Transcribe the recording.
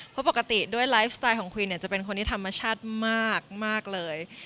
เพราะปกติด้วยไลฟ์สไตล์ของควีเนี่ยจะเป็นคนที่ธรรมชาติมากเลย